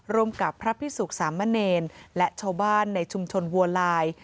กับพระพิสุขสามเณรและชาวบ้านในชุมชนวัวลาย